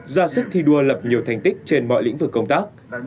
ra sức thi đua lập nhiều thành tích trên mọi lĩnh vực công tác